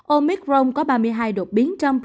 omicron có ba mươi hai độc biến trong protein guide